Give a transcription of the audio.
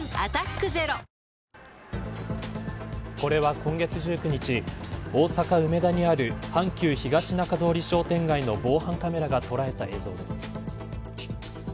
今月１９日、大阪、梅田にある阪急東中通商店街の防犯カメラが捉えた映像です。